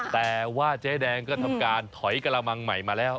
แต่ว่าเจ๊แดงก็ทำการถอยกระมังใหม่มาแล้ว